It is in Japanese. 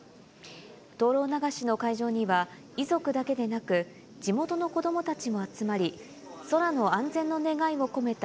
灯籠流しの会場には、遺族だけでなく、地元の子どもたちも集まり、空の安全の願いを込めた